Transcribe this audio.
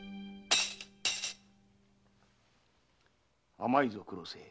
甘いぞ黒瀬。